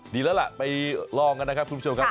ดีแล้วล่ะไปลองกันนะครับคุณผู้ชมครับ